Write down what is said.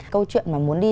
câu chuyện mà muốn đi